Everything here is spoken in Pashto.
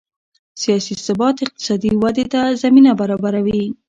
سیاسي ثبات اقتصادي ودې ته زمینه برابروي